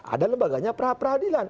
ada lembaganya peradilan